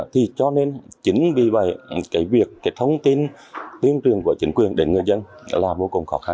thì cho nên chính vì vậy cái việc cái thông tin tuyên truyền của chính quyền đến người dân là vô cùng khó khăn